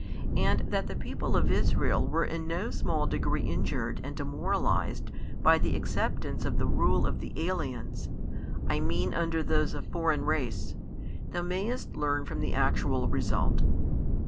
And that the people of Israel were in no small degree injured and demoralised by the acceptance of the rule of the aliens, I mean under those of foreign race, thou mayest learn from the actual result.